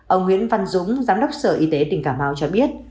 ông nguyễn văn dũng giám đốc sở y tế tỉnh cà mau cho biết